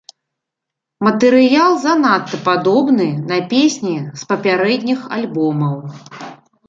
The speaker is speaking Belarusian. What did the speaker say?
Матэрыял занадта падобны на песні з папярэдніх альбомаў.